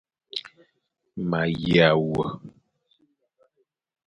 Ma yane wa.